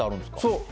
そう！